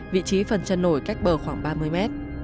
vị trí phần chân nổi cách bờ khoảng ba mươi mét